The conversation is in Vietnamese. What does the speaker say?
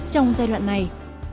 trong giai đoạn này